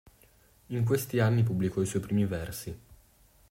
In questi anni pubblicò i suoi primi versi.